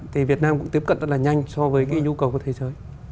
thì việt nam cũng tiếp cận rất là nhanh so với cái nhu cầu của thế giới